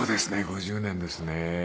５０年ですね。